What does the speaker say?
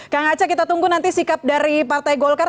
kang aceh kita tunggu nanti sikap dari partai golkar